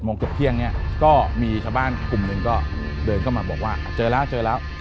โมงเกือบเที่ยงเนี่ยก็มีชาวบ้านกลุ่มหนึ่งก็เดินเข้ามาบอกว่าเจอแล้วเจอแล้ว